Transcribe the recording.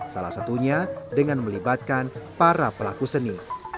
salah satunya dengan melibatkan para pelaku seni